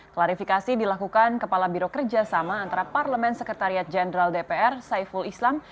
klarifikasi dilakukan kepala biro kerjasama antara parlemen sekretariat jenderal dpr saiful islam